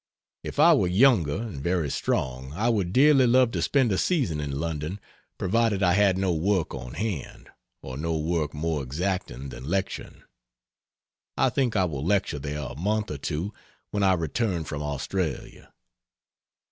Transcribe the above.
If I were younger and very strong I would dearly love to spend a season in London provided I had no work on hand, or no work more exacting than lecturing. I think I will lecture there a month or two when I return from Australia.